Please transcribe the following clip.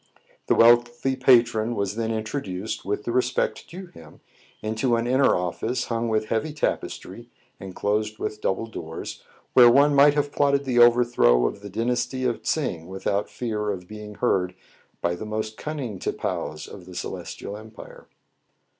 The wealthy patron was then introduced, with the respect due him, into an inner office, hung with heavy tapestry, and closed with double doors, where one might have plotted the overthrow of the dynasty of Tsing without fear of being heard by the most cunning tipaos in the Celestial Em pire.